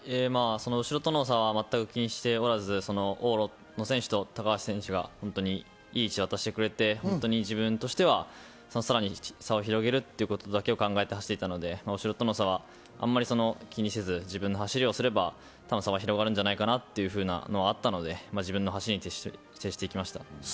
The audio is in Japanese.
後ろとの差は全く気にしておらず、往路の選手と高橋選手がいい位置で渡してくれて自分としてはさらに差を広げるということだけを考えて走っていたので後ろとの差は、あまり気にせず自分の走りをすれば差は広がるんじゃないかなというのがあったので、自分の走りに徹していきました。